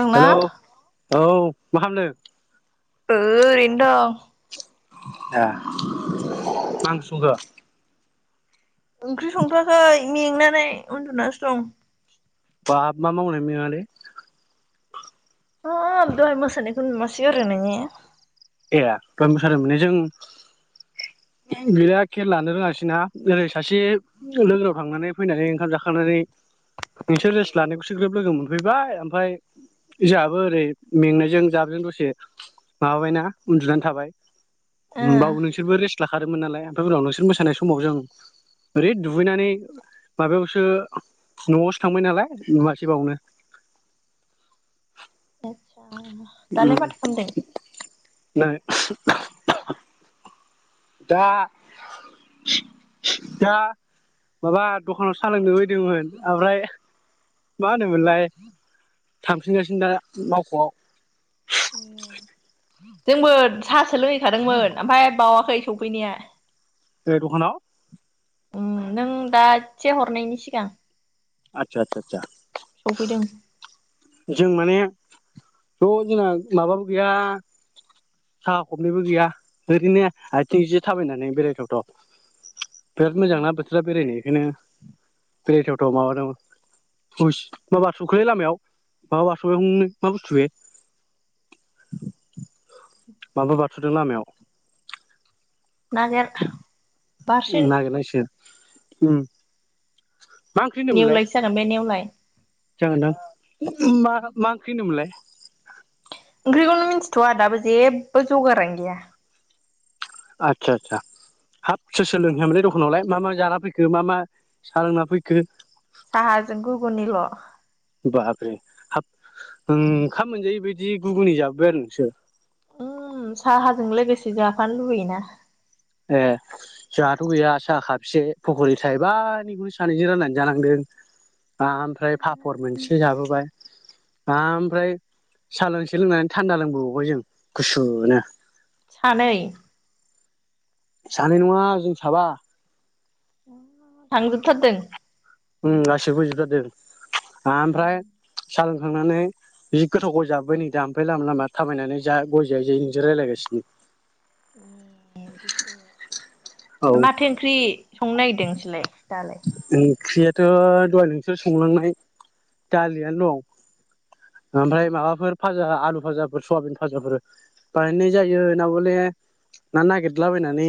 दंना हेलौ औ मा खामदों? ओरैनो दं ए मा सुंगो ओंख्रि संथयाखै मेंनानै उन्दुनानैसो दं। बाब मा मावनायनि मेंङालै? अ दहय मोसानायखौ नुआसै आरो। ए दहय मोसानाय मोनननयजों बिराद खेल लानो रोङासै ना ओरै सासे जौ लोंनायाव थांनानै फैनानै ओंखाम जाखांनानै नोंसोर रेस लानायखौसो ग्रोब लोगोन सफैबाय ओमफ्राय जोंहाबो ओरै मेंनायजों जाबजों दसे माबाबायना उन्दुनानै थाबाय ओ बावबो नोंसोरबो रेस लाखादोंमोन नालाय ओमफ्राय उनाव नोंसोर मोसानाय समाव जों ओरै दुगैनानै माबायावसो न'आवसो थांबाय नालाय नुवासै बावनो आदसा उम दालाय माथो खालामामदों नै दा दा माबा दखानाव सालोंनो फै दोंमोन ओमफ्राय मा होनोमोनलाय थांफिनगासिनो दा मावख'आव जोंबो साहासो लोंहैखादोंमोन ओमफ्राय बावाखै सफैनाया द'खानाव नों दा एसे हरनायनि सिगां आतसा आतसा आसा सफैदों जों माने ज' जोंना माबाबो गैया साखा खबनैबो गैया ओरैनो माबा बारस'दों मा बुस्थु बे माबा बारस'दों लामायाव ना गैया आरोखि बारसे नागिरनांसिगोन उम मा ओंख्रि होनदोंमोनलाय नेवलायसो जागोन बे नेवलाय जागोनदां मा मा ओंख्रि होनदोमोनलाय ओंख्रिखौनो मिन्थिथ'आ दाबो जेबो जगारानो गैया आदसा आदसा हाब सोर सोर लोंहैयामोनलाय दखानावलाय मा मा जाना फैखो मा मा साह लोंना फैखो साहाजों गुगुनिल' बाप्रे हाब ओंखाम मोनजायै बायदि गुगुनि जाफैबाय आरो नोंसोर उम साहाजोंलाय लोगोसे जाफानो लुबैयोना ए जोंहाथ' गैया साहा खाबसे फखरि थाइबानिखौनो सानैजों राननानै जानांदों ओमफ्राय पापर मोनसे जाबोबाय ओमफ्राय साहा लोंसे लोंनानै थान्दा लोंबोबावबाय जों गुसुनो सानै, सानै नंङा जों साबा, थांजोबथारदों, उ आसि फैजोब थारदों [inaudible] ओमफ्राय सालोंखांनानै जि गोथाव गय जाबाय नै दा लामा लामा थाबायनानै जा गय जायै जायै नोंजों रायलायगासिनो बिदिसो औ ए माथो ओख्रि? संनो नागिरदों नोंसोरलाय दाले ओंख्रियाथ' दहाय नोंसोर संलांनाय दालियनो दं, ओमफ्राय माबाफोर फाजा आलु फाजाफोर सयाबिन भाजाफोर बानायनाय जायो ना ब'ले ना नागिरलाबायनानै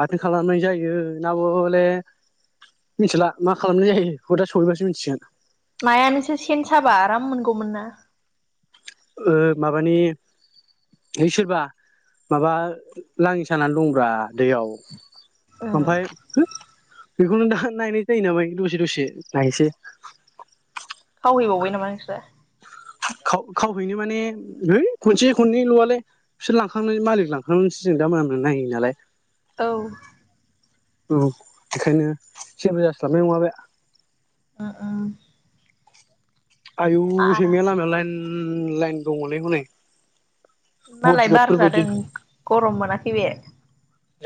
बाथोन खालामनाय जायो ना बले मिथिला मा खालामनाय जायो बेखौ दा स'हैबासो मिथिगोन। नायानोसो सेन साबा आराम मोनगौमोन ना। ओ माबानि ओइ सोरबा माबा लाङि सानानै दं ब्रा दैयाव। ओं ओमफाय बेखौनो दा नानाय जायो नामा द'से द'से नायसै मावहैबावबाय नामा नोंसोरा? खाव खावहैनो माने है खनसे खननैल'आलाय बिसोर लांखांनानै मालिक लांखांसो जों दा माने नायो नालाय। औ। औ बेखायनो जेबो जासलाबनाय नंङा बे। ओ ओम। आयु सैमाया लामायाव लाइन ओं लाइन दंङलै हनै। मालाय बार बडिगार्डफोर बायदि जादों गरम मोनाखै बे।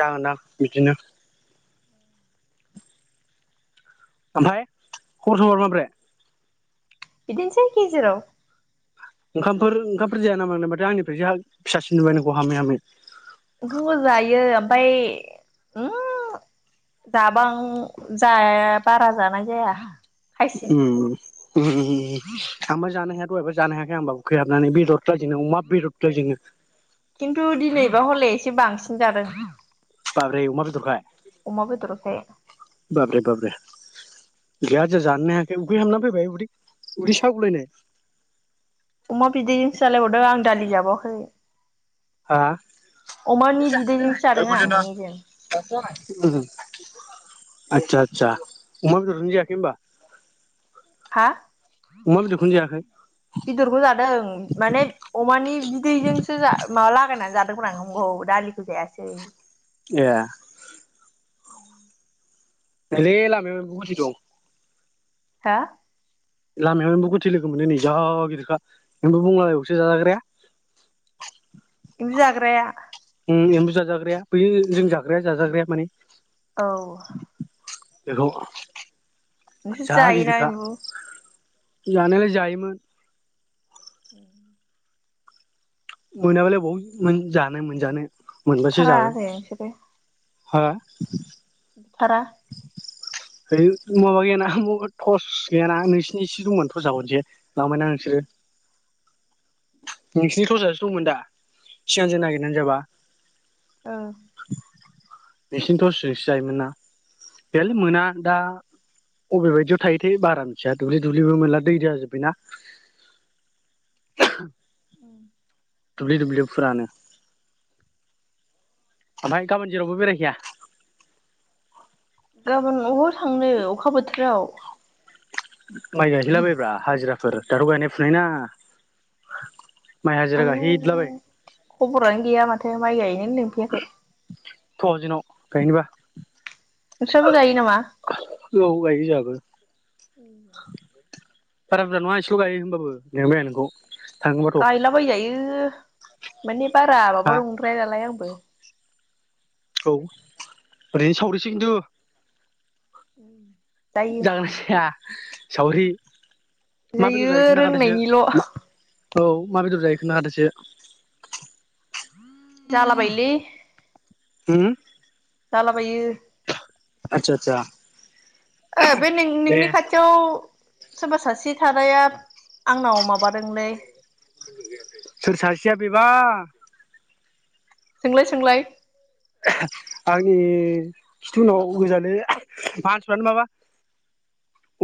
जागोनदां बिदिनो। ओमफाय खबर सबर माब्रै? बिदिनोसै गेजेराव। ओंखामफोर ओंखामफोर जाया नामा नों माथो आंनिफ्रायसो फिसासिन नुबाय नोंखौ हामै हामै। ओखांखो जायो ओमफाय ओं जाबां जाया बारा जानाय जाया। खायसे उम [inaudible] खामबो जानो हाया दहायबो जानो हायाखै आंबा उखै हाबनानै बेदर बादिनो [unintelligible] खिन्थु दिनैबा हले एसे बांसिन जादों। बाब्रे अमा बेदरखाय? अमा बेदरखाय। बाब्रे बाब्रे गैया दिनै जाननो हायाखै उखै हाबना फैबाय उदै उदै सागु लायनाय। अमा बिदैजोंसो जालायबावदों आं दालि जाबावाखै। हा अमानि बिदैजोंसो जादों आं मेजेम। [unintelligible] आतसा आतसा। अमा बेदरजों जायाखै होनबा? हा? अमा बेदरखौनो जायाखै? बेदरबो जादों माने अमानि बिदैजोंसो माबा लागायनानै जादों। नंगौ दालिखौ जायासै। ए। नैलै लामायाव एम्बु गोथै दं। हा? लामायाव एम्बु गोथै लोगो मोनदों नै जा गिदिरखा एम्बु बुंग्ला लायबावसो जाजाग्राया। जाग्राया। उम एम्बु जाजाग्राया बैयो जों जाग्राया जाजाग्राया माने औ बेखौ नोंसोर जा जायोना गिदिरखा एम्बु जानायालाय जायोमोन [inaudible] मोनाबालाय बबाव मोनजानो मोनजानो मोनबासो जागोन [unintelligible] हा थारा है माबा गैयाना टस गैयाना नोंसिनिसो दंमोन टसा खनसे लांबायना नोंसोरो नोंसिनि थसासो दंमोन दा सिगांजों नागिरनानै जाबा। ओ नोंसिनि थ'सजोंसो जायोमोन ना गैयालै मोना दा अबे बायदियाव थायोथाय बारा मिथिया दुब्लि दुब्लिबो मोनला दै जाजोब्बायना। [inaudible] दुब्लि दुब्लिफोरानो आमफ्राय गाबोन जेरावबो बेरायहैया गाबोन अबाव थांनो अखा बोथोराव माइ गायहैलाबायब्रा हाजिरा फोर दाथ' गायनाय फुनाय ना आयु खबरआनो गैया माथो माय गाय नोनो लेंफैयाखै थ' जोंनाव गायनोबा नोंस्राबो गायो नामा औ गायहै जागोन बारा बुरजा नङा इसेल' गायो होमबाबो लेंबाय आं नोंखौ थांगोनबाथ' गायलाबायजायो माने बारा हा माबा नंद्राया नालाय आंबो औ ओरैनो सावरिसो खिन्थु [inaudible] जागोन जाया सावरि मा बेदर जायो खोनथाखादोसो औ मा बेदर जायो खोनथाखादोसो जाला बायोलै हम जला बायो आतसा आतसा ओ बे नों नोंनि खाथियाव सोरबा सासे थानाया आंनाव माबादोंलै सोर सासेया बेबा? सोंलाय सोंलाय आंनि खिथु उनाव गोजानो मानसिफ्रानो माबा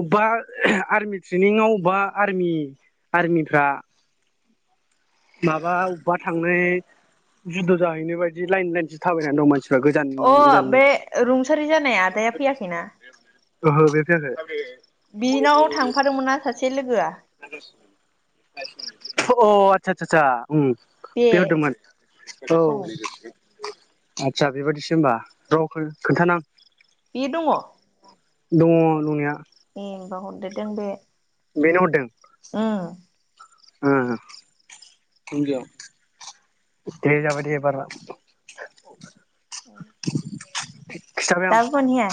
अबेबा आर्मि ट्रेनिंआव अबेबा आरमि आरमिफ्रा माबा अबेबा थांनो जुद' जाहैनो बायदि लाइन लाइनसो थाबायनानै दं मानसि फो अ बे रुंसारि जानाया आदाया फैयाखैना ओहो बे फैयाखै बिनाव थांफादोंमोनना सासे लोगोआ अ आतसा आतसा आसा ओम बे हरदोंमोन औ आदसा बेबायाददिसो हबा र'खो खोन्थानां। बे दङ दङ दंनाया ए [unintelligible] हरदेरदों बे बेनो हरदों ओम ओम दे जाबाय दे एबारना औ [inaudible] दाबो मोनहैआ?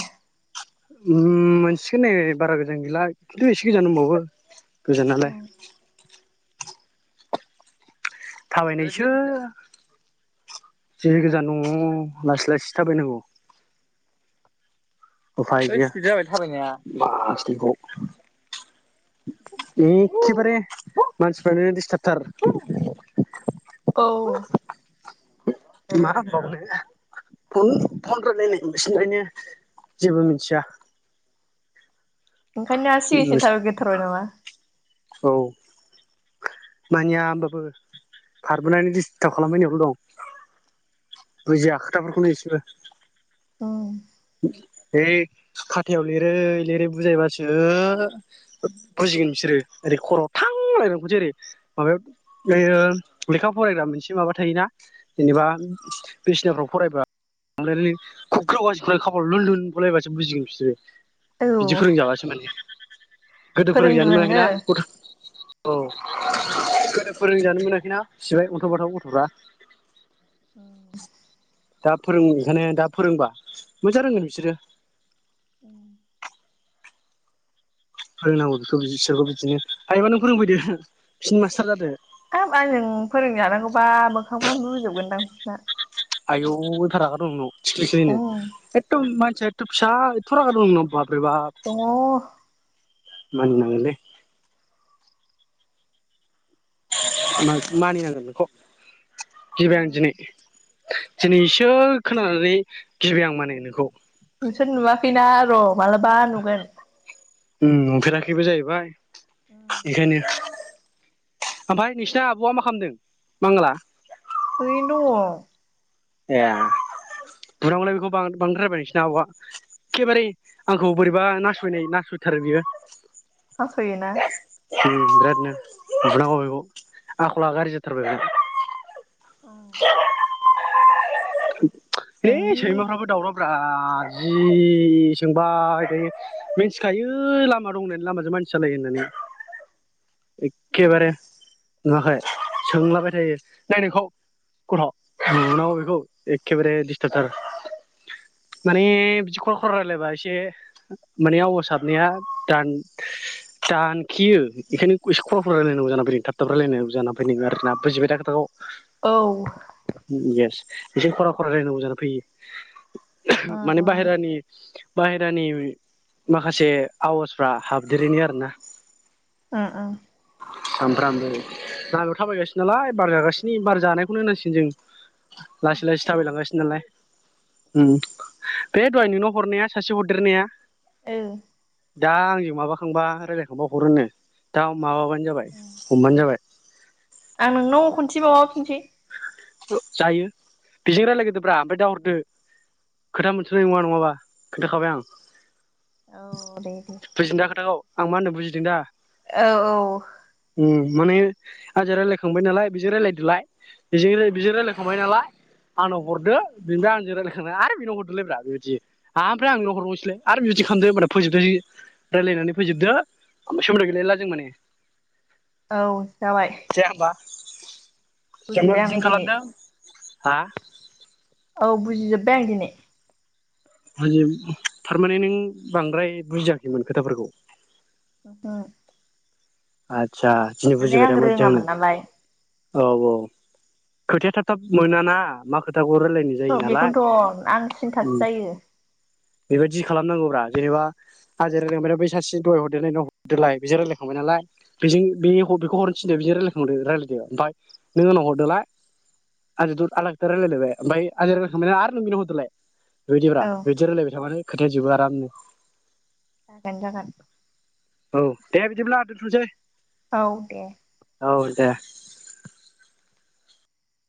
ओम मोनसिगोन नै बारा गोजान गैला खिन्थु एसे गोजान दबावो गोजोनालाय थाबायनायसो जि गोजान न' लासै लासै थाबायनांगौ उफाय गैया थाबायनाया [unintelligible] एखेबारे मानसिफ्रानो दिसथाबथार औ। मा होनबावनो फ फन रायलायनाय [unintelligible] जेबो मिथिया ओंखायनो सिगां [unintelligible] नामा औ मानिया होमबाबो बारबोनानै दिस्थाब खालाम बायनायावनो दं बुजिया खोथाफोरखौनो इसेबो उम है खाथायाव लिरै लिरै बुजायबासो बुजिगोन बिसोरो ओरै खर'आव थां [unintelligible] माबायाव लेखा फरायग्रा मोनसे माबा थायोना जेनेबा बिसिनाफ्राव फरायबा खुग्राव खबर [unintelligible] लुन लुन बुलायबासो बुजिगोन बिसोरो औ बिदिफोरों जाबासो मोन गोदो [unintelligible] फोरोंगोन जानो नोंनो मोनाखैना गथ' औ गोदो फोरोंजानो मोनाखैना सिबाय अन्थाव बाथाव गथ'फ्रा औ दा फोरों [unintelligible] दा फोरोंबा मोजां रोंगोन बिसोरो उम फोरोंनांगौ बेखौ बिसोरखौ बिदिनो हायोबा नों फोरोंफैदो बिसोरनि मास्टार जादो हाब आंजों फोरोंजानांगौबा मोखांफ्रानो रुजोबगोनदां बिसोरना आयौ रागार उ नो उम एद' माने [inaudible] बेभाब दङ मानिनांगोनलै म मानिनांगोननोखौ [inaudible] उम जबन्जनि [inaudible] दिनैसो खोनानानै गिबाय आं माने नोंखौ नोंसोर नुवाखैना र' मलबा नुगोन उ नुफेराखैबो जाहैबाय उम एखायनो ओमफ्राय नोंसिना आब'आ मा खालामदों मांगाला ओरैनो दं ए बुनागौलैय बेखौ बांद्रायबाय नोंसोरना आब'आ एखेबारे आंखौ बोरैबा नासयनाय नासयथारो बियो नासयोना बिरादनो बुनांगौ बेखौ आखलला गाज्रि जाथारबाय बे उम ज [inaudible] [inaudible] है सैमाफ्राबो दावराव ब्रा जि सोंबायथायो मिथिखायो लामा दंहोनानै लामाजों मानसियालायो होननानै एखेबारे नुङाखै सोंलाबाय थायो नैनोंखौ गथ बुंनांगौ बेखो एखेबारे दिस्टार्बथार माने बिदि खल खर रायजलायबा एसे माने आवग साबनाया दानखियो बेखायनो इ्कुलाव रायनांगौ ज फैदों थाब रायांग ज फैदों आरोना बैिबाय थाखोाखौ [inaudible] औ एसे ख'रा ख'रा रायलायनांगौ जाना फैयो। उम माने उम बाहेरानि बाहेरानि माखासे आवाजफ्रा हाबदेरैनि आरोना ओ ओं सामफ्रामबो बाहारायाव थाबायगासिनो नालाय बार जागासिनि बार जानायखौनो होननांसिगोन जों लासै लासै औ ओ थाबायलांगासिनो नालाय उम बे दहाय नोंनाव हरनाया सासे हरदेरनाया ओ दा आंजों माबाखांबा रायलायखांबा हरोनो दा माबा बाय [unintelligible] जाबाय हमबानो जाबाय आं नोंनाव खनसे मावाफिनसै ओ जायो बेजों रायलायग्रोदोब्रा ओमफाय दाहरदो खोथा मोनथ'नाय नङा नङाबा खोन्थाखाबाय आं औ दे दे बुजिदों दा खोथाखौ आं मा होनदों बुजिदों दा औ औ उम माने आजों रायलायखांबाय नालाय बेजों रायलायदोलाय बेजों राय बिजों रायलायखांबाय नालाय आनाव हरदो बिनिफ्राय आंजों रायलायखांना आरो बिनाव हरदोलाय ब्रा बेबायदि आमफ्राय आं नोंनाव हरबावनो स्लाइ आरो बिबायदि खालामदो होनबाना फोजोबदायो रायलायनानै फोजोबदो ओमफ्राय सोमोन्दो गैलायला जों माने औ जाबाय जाया होमबा जोंबा बुजिबाय बिदिनो आं दिनै खालामदों हा औ बुजिजोबबाय आं दिनै [unintelligible] थारमाने नों बांद्राय बुजियाखैमोन खोथाफोरखौ [unintelligible] आद सा दिनै माने आं बुजिबायदा मोदजांनो। रोङामोन नालाय औ औ खोथाया थाब थाब मोना ना मा खो औ बेखौनोथ' आं सिन्थासो जायो बेबायदि खालामनांगौब्रा जेनेबा आजों रायलायखांबायना बै सासिजों दहाय हरदेरनायनाव हरदोलाय बिजों रायलायखांबाय नालाय बेजों बे ह' बेखौ हरनो थिनदो बेजों रायलायखांदो रायलायदो ओमफाय नों आंनाव हरदोलाय आजों दुर आलाखोथा रायलायलायबाय ओमफाय आजो रायलायखांबायना आरो नों बिनाव हरदोलाय बिबायदिब्रा औ बिदि रायलायबाय थाबानो खोथाया जोबो आरामनो जागोन जागोन औ दे बिदिब्ला दोन्थ'नोसै औ दे। औ दे।